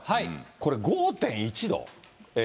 これ、５．１度？